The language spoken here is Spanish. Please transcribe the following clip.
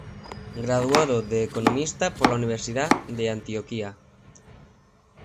Graduado de economista por la Universidad de Antioquia.